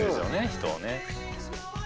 人をね